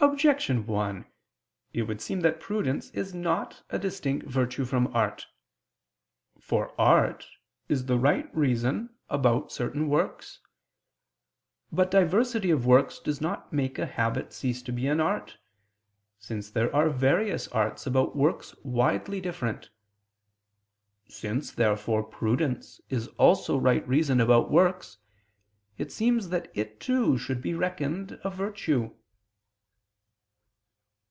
Objection 1: It would seem that prudence is not a distinct virtue from art. For art is the right reason about certain works. But diversity of works does not make a habit cease to be an art; since there are various arts about works widely different. Since therefore prudence is also right reason about works, it seems that it too should be reckoned a virtue.